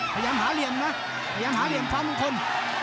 พยายามหาเหลี่ยมนะพยายามหาเหลี่ยมฟ้ามงคล